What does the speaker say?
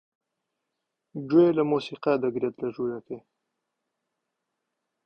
گوێی لە مۆسیقا دەگرت لە ژوورەکەی.